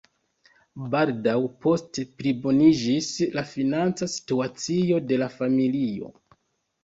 Baldaŭ poste pliboniĝis la financa situacio de la familio.